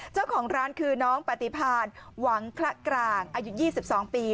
เจ้าของร้านคือน้องปฏิพานหวังคละกลางอายุ๒๒ปี